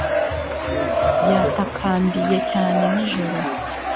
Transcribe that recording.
Yatakambiye cyane Nijoro